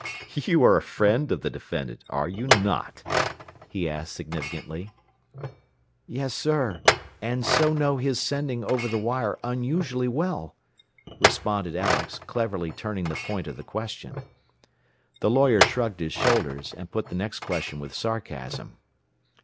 "You are a friend of the defendant, are you not?" he asked significantly. "Yes, sir; and so know his sending over the wire unusually well," responded Alex, cleverly turning the point of the question. The lawyer shrugged his shoulders, and put the next question with sarcasm.